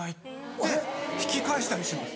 で引き返したりします。